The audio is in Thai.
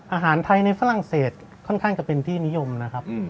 อาหารไทยในฝรั่งเศสค่อนข้างจะเป็นที่นิยมนะครับ